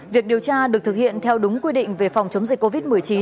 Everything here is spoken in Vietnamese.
việc điều tra được thực hiện theo đúng quy định về phòng chống dịch covid một mươi chín